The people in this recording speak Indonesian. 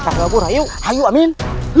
pengecutnya gak akan kiamin